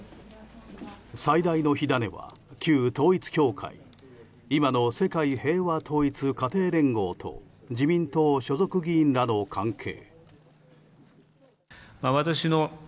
最大の火種は旧統一教会今の世界平和統一家庭連合と自民党所属議員らの関係。